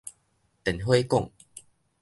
電火管